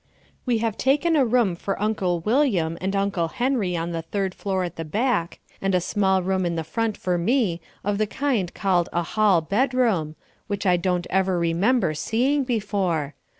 We have taken a room for Uncle William and Uncle Henry on the third floor at the back and a small room in the front for me of the kind called a hall bedroom, which I don't ever remember seeing before.